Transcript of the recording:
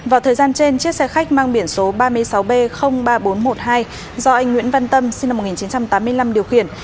vào thời gian trên chiếc xe khách mang biển số ba mươi sáu b ba nghìn bốn trăm một mươi hai do anh nguyễn văn tâm sinh năm một nghìn chín trăm tám mươi năm điều khiển